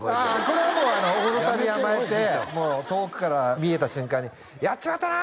これはもう小野さんに甘えてもう遠くから見えた瞬間に「やっちまったな！」